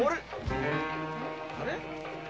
あれ？